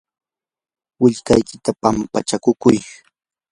willkaykita pampachaykuy.